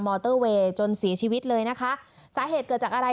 อเตอร์เวย์จนเสียชีวิตเลยนะคะสาเหตุเกิดจากอะไร